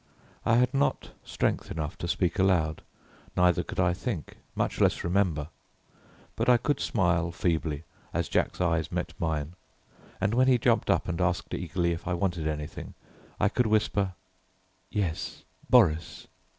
I had not strength enough to speak aloud, neither could I think, much less remember, but I could smile feebly, as Jack's eye met mine, and when he jumped up and asked eagerly if I wanted anything, I could whisper, "Yes Boris."